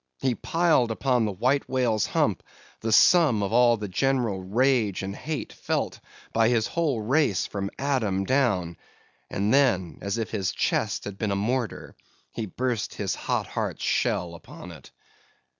He piled upon the whale's white hump the sum of all the general rage and hate felt by his whole race from Adam down; and then, as if his chest had been a mortar, he burst his hot heart's shell upon it.